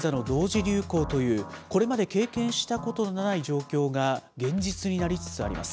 流行という、これまで経験したことのない状況が現実になりつつあります。